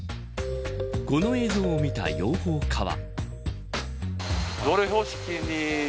この映像を見た養蜂家は。